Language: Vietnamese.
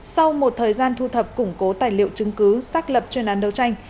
sau một thời gian thu thập củng cố tài liệu chứng cứ xác lập chuyên án đấu tranh